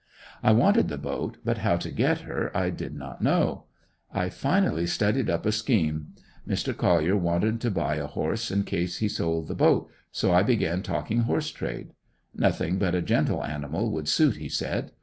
I wanted the boat, but how to get her I did not know. I finally studied up a scheme: Mr. Collier wanted to buy a horse in case he sold the boat, so I began talking horse trade. Nothing but a gentle animal would suit he said.